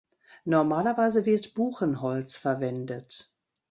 Normalerweise wird Buchenholz verwendet.